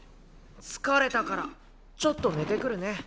疲れたからちょっと寝てくるね。